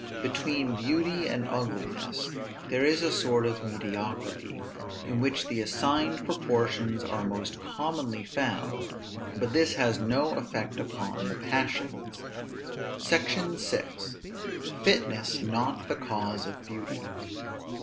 Between beauty and ugliness there is a sort of mediocrity, in which the assigned proportions are most commonly found; but this has no effect upon the passions. SECTION VI. FITNESS NOT THE CAUSE OF BEAUTY.